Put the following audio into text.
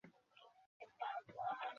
তিনি বুসরা দিকে যান।